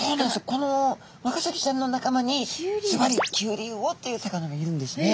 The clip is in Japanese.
このワカサギちゃんの仲間にずばりキュウリウオという魚がいるんですね。